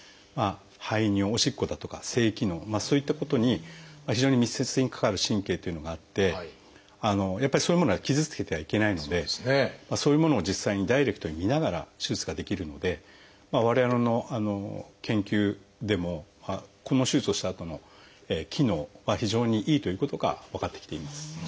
排尿おしっこだとか性機能そういったことに非常に密接に関わる神経というのがあってやっぱりそういうものは傷つけてはいけないのでそういうものを実際にダイレクトに見ながら手術ができるので我々の研究でもこの手術をしたあとの機能は非常にいいということが分かってきています。